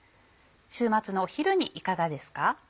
週末のお昼にいかがですか？